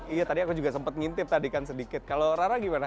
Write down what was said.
iya tadi aku juga sempat ngintip tadi kan sedikit kalau rara gimana